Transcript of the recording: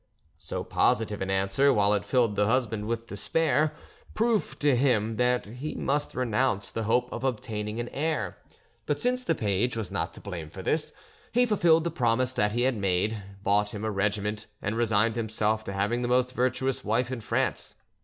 So positive an answer, while it filled her husband with despair, proved to him that he must renounce the hope of obtaining an heir; but since the page was not to blame for this, he fulfilled the promise that he had made, bought him a regiment, and resigned himself to having the most virtuous wife in France.